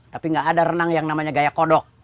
tapi gak ada renang yang namanya gaya kodok